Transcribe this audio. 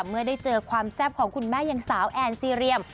เมื่อได้เจอความแซ่บของคุณแม่ยังสาวแอนซีเรียม